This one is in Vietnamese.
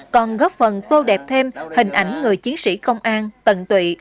còn góp phần tô đẹp thêm hình ảnh người chiến sĩ công an tận tụy